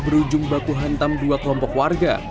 berujung baku hantam dua kelompok warga